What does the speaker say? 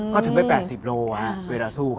ก็ถึงไป๘๐โลเวลาสู้